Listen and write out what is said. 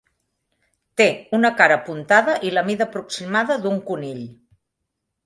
Té una cara puntada i la mida aproximada d'un conill.